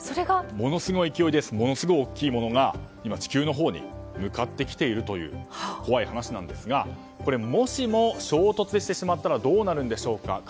ものすごい勢いでものすごい大きいものが今、地球のほうに向かってきているという怖い話なんですがこれ、もしも衝突してしまったらどうなるんでしょうか。